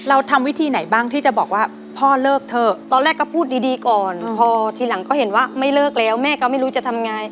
เราทำวิธีไหนบ้างที่จะบอกว่าพ่อเลิกเถอะตอนแรกก็พูดดีดีก่อนพอทีหลังก็เห็นว่าไม่เลิกแล้วแม่ก็ไม่รู้จะทำไง